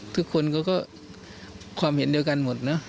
ทุกคนเขาก็ความเห็นเดียวกันหมดนะ